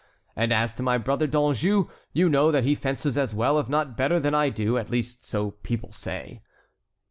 And as to my brother D'Anjou, you know that he fences as well if not better than I do; at least so people say."